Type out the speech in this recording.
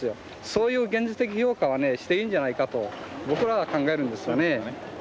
そういう現実的評価はねしていいんじゃないかと僕らは考えるんですがね。